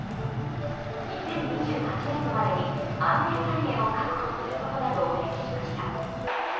２０２８年度までに安定財源を確保することなどを明記しました。